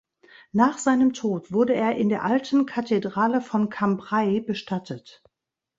Nach seinem Tod wurde er in der alten Kathedrale von Cambrai bestattet.